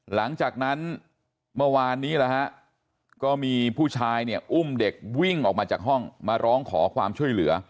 หลังจากนั้นเมื่อวานนี้นะฮะก็มีผู้ชายเนี่ยอุ้มเด็กวิ่งออกมาจากห้องมาร้องขอความช่วยเหลือ